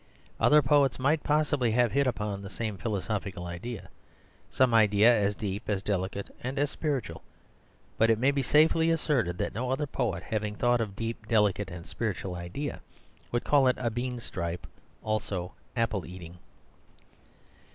Other poets might possibly have hit upon the same philosophical idea some idea as deep, as delicate, and as spiritual. But it may be safely asserted that no other poet, having thought of a deep, delicate, and spiritual idea, would call it "A Bean Stripe; also Apple Eating."